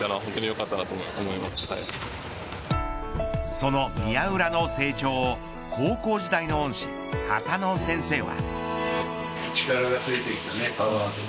その宮浦の成長を高校時代の恩師畑野先生は。